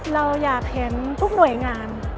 เราอยากเห็นทุกหน่วยงาน